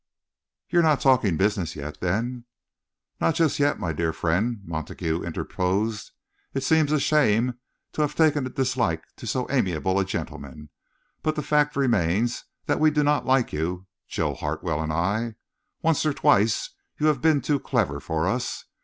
"You're not talking business yet, then?" "Not just yet, my dear friend," Montague interposed. "It seems a shame to have taken a dislike to so amiable a gentleman, but the fact remains that we do not like you, Joe Hartwell and I. Once or twice you have been too clever for us.